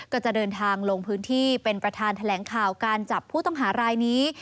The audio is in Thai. ก็จะเดินทางลงพื้นที่เป็นประธานแถลงข่าวการจับผู้ต้องหารายนี้